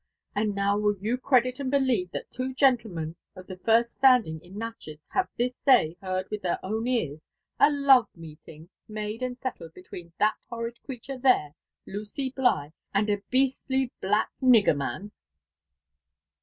And now will you credit and believe that two gentlemen of ihe irsi slaailing in Nalches have this day heard with their own ears a iove raeeling made and settled between that horrid eveatore these, Lucy BUgh, and a beastly black nigger man